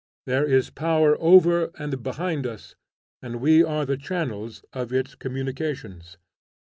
There is power over and behind us, and we are the channels of its communications.